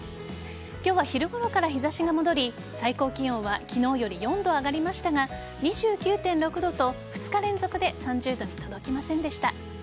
今日は昼ごろから日差しが戻り最高気温は昨日より４度上がりましたが２９．６度と２日連続で３０度に届きませんでした。